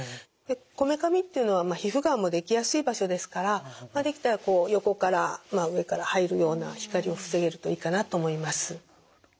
こめかみっていうのは皮膚がんもできやすい場所ですからできたら横から上から入るような光を防げるといいかなと思います。